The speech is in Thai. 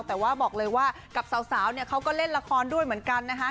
แต่ว่าบอกเลยว่ากับสาวเนี่ยเขาก็เล่นละครด้วยเหมือนกันนะคะ